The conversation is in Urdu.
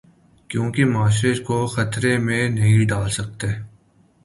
کیونکہ معاشرے کو خطرے میں نہیں ڈال سکتے۔